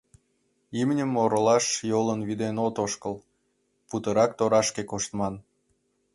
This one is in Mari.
Имньым оролаш йолын вӱден от ошкыл: путырак торашке коштман.